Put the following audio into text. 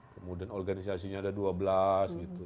kemudian organisasinya ada dua belas gitu